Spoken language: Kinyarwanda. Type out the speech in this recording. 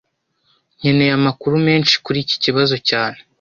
Nkeneye amakuru menshi kuri iki kibazo cyane